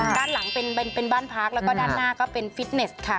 ด้านหลังเป็นบ้านพักแล้วก็ด้านหน้าก็เป็นฟิตเนสค่ะ